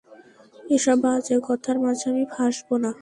এসব বাজে কথার মাঝে আমি ফাঁসবো না।